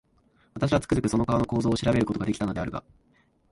私は、つくづくその顔の構造を調べる事が出来たのであるが、